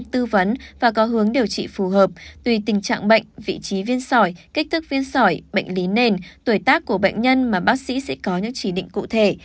tùy tình trạng bệnh vị trí viên sỏi kích thức viên sỏi bệnh lý nền tuổi tác của bệnh nhân mà bác sĩ sẽ có những chỉ định cụ thể